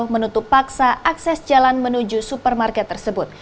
menutup paksa akses jalan menuju supermarket tersebut